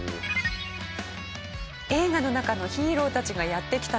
映画の中のヒーローたちがやって来たのは病院です。